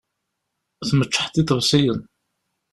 Tmeččḥeḍ iḍebsiyen?